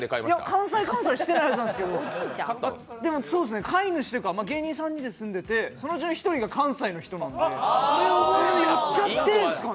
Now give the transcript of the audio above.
関西関西してないんですけど芸人３人で住んでてそのうちの１人が関西の人なんで、それでやっちゃってるんですかね。